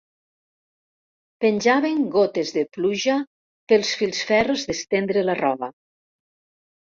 Penjaven gotes de pluja pels filferros d'estrendre la roba.